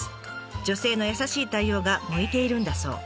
女性の優しい対応が向いているんだそう。